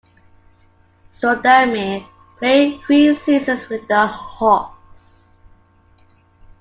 Stoudamire played three seasons with the Hawks.